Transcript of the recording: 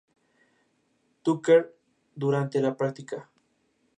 De origen Chickasaw, su verdadero nombre era Jay Fox, y nació en Gainesville, Texas.